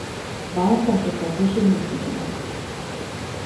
Barnes nem sokkal később nyugdíjba ment.